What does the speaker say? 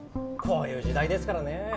こういう時代ですからねえ